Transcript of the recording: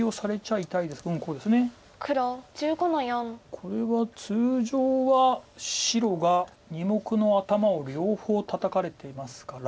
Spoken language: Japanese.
これは通常は白が２目の頭を両方タタかれていますから。